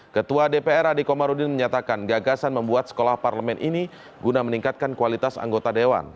ketua dpr adi komarudin menyatakan gagasan membuat sekolah parlemen ini guna meningkatkan kualitas anggota dewan